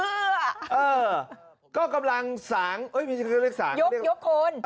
เออก็กำลังสางยกโคน